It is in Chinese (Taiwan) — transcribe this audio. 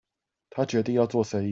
他決定要做生意